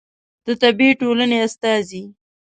د طبي ټولنې استازی